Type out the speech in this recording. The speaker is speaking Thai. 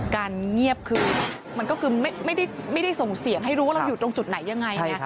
การเงียบคือมันก็คือไม่ได้ส่งเสียงให้รู้ว่าเราอยู่ตรงจุดไหนยังไง